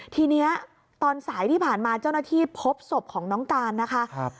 ทีนี้ตอนสายที่ผ่านมาเจ้าหน้าที่พบศพของน้องการนะคะ